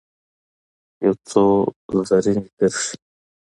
یو څو رزیني کرښې